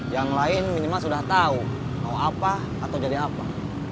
yang lain minimal sudah tahu mau apa atau jadi apa